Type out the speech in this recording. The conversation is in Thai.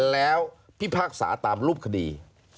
แล้วพิพากษาตามรูปคดี